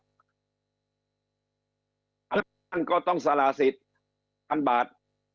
ท่านก็ต้องสละสิทธิ์๑๐๐บาท